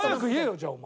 じゃあお前。